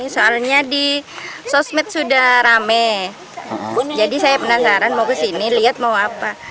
soalnya di sosmed sudah rame jadi saya penasaran mau kesini lihat mau apa